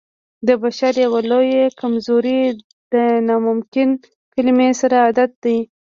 د بشر يوه لويه کمزوري د ناممکن کلمې سره عادت دی.